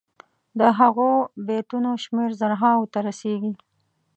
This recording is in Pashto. د هغو بیتونو شمېر زرهاوو ته رسيږي.